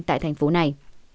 tại thành phố này